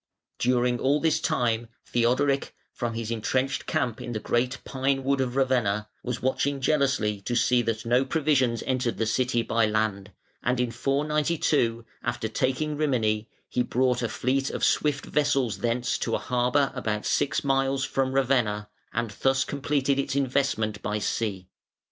During all this time Theodoric, from his entrenched camp in the great pine wood of Ravenna, was watching jealously to see that no provisions entered the city by land, and in 492, after taking Rimini, he brought a fleet of swift vessels thence to a harbour about six miles from Ravenna, and thus completed its investment by sea.